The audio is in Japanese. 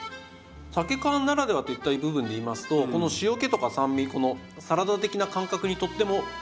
さけ缶ならではといった部分で言いますとこの塩気とか酸味このサラダ的な感覚にとっても合いますよねさけは。